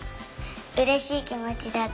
うれしいきもちだった。